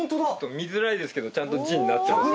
見づらいですけどちゃんと字になってます。